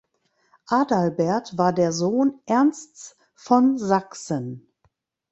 Adalbert war der Sohn Ernsts von Sachsen.